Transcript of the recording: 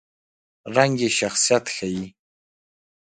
رنګ یې شخصیت ښيي.